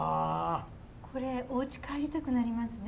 これおうち帰りたくなりますね。